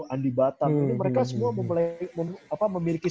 andi batam ini mereka semua memiliki